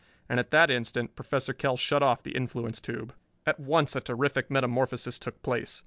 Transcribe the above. And at that instant Professor Kell shut off the influence tube. At once a terrific metamorphosis took place.